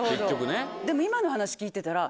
でも今の話聞いてたら。